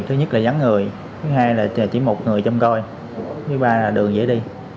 thứ nhất là vắng người thứ hai là chỉ một người chăm coi thứ ba là đường dễ đi